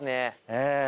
ええ。